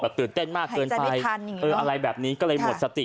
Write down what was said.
ตื่นเต้นมากเกินไปอะไรแบบนี้ก็เลยหมดสติ